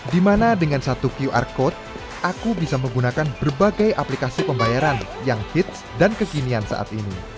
dimana dengan satu qr code aku bisa menggunakan berbagai aplikasi pembayaran yang hits dan kekinian saat ini